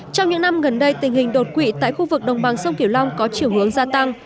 trong những năm gần đây tình hình đột quỵ tại khu vực đồng bằng sông kiểu long có chiều hướng gia tăng